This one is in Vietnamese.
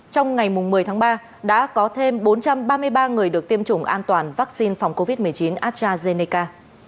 trong ngày một mươi tháng ba đã có thêm bốn trăm ba mươi ba người được tiêm chủng an toàn vaccine phòng covid một mươi chín astrazeneca